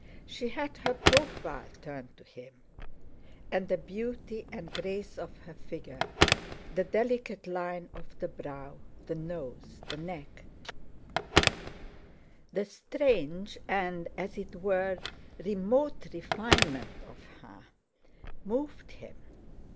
She had her profile turned to him, and the beauty and grace of her figure, the delicate line of the brow, the nose, the neck, the strange and as it were remote refinement of her, moved him.